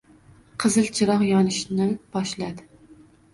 Qizil chiroq yonishni boshladi